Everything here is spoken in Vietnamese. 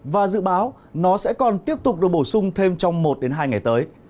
và dự báo nó sẽ còn tiếp tục được bổ sung thêm trong một hai ngày tới